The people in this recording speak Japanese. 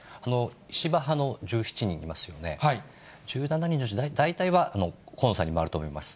石破派の１７人いますよね、１７人のうち、大体は河野さんに回ると思います。